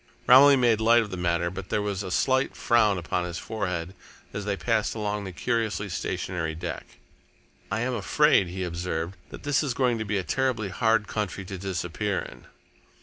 Romilly made light of the matter, but there was a slight frown upon his forehead as they passed along the curiously stationary deck. "I am afraid," he observed, "that this is going to be a terribly hard country to disappear in."